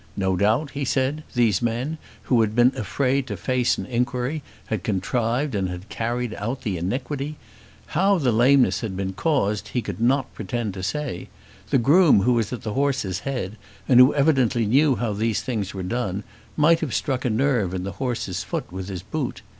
No doubt, he said, these men, who had been afraid to face an inquiry, had contrived and had carried out the iniquity. How the lameness had been caused he could not pretend to say. The groom who was at the horse's head, and who evidently knew how these things were done, might have struck a nerve in the horse's foot with his boot.